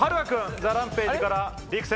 ＴＨＥＲＡＭＰＡＧＥからＲＩＫＵ